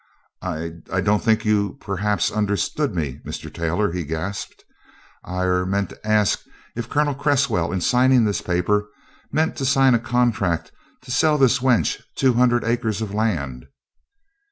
"I I don't think you perhaps understood me, Mr. Taylor," he gasped. "I er meant to ask if Colonel Cresswell, in signing this paper, meant to sign a contract to sell this wench two hundred acres of land?"